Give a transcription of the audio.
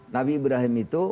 nabi ibrahim itu